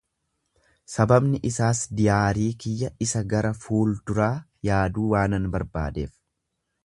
Sababni isaas Diyaarii kiyyaa isa gara fuulduraa yaaduu waanan barbaadeefi.